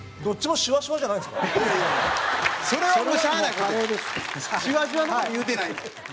シワシワの事、言うてないねん。